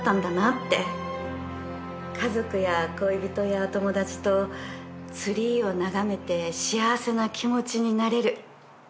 家族や恋人や友達とツリーを眺めて幸せな気持ちになれる。